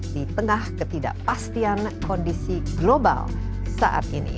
di tengah ketidakpastian kondisi global saat ini